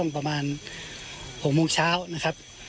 ประมาณ๖โมงเช้า